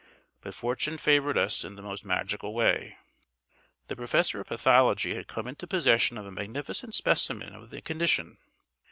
But fortune favoured us in the most magical way. The Professor of Pathology had come into possession of a magnificent specimen of the condition.